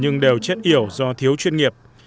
nhưng đều chết yểu do thiếu chuyên nghiệp